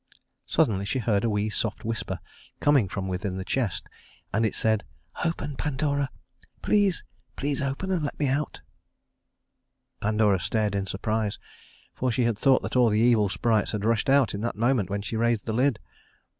Suddenly she heard a wee soft whisper coming from within the chest, and it said: "Open, Pandora, please, please open and let me out." Pandora stared in surprise, for she had thought that all the evil sprites had rushed out in that moment when she raised the lid.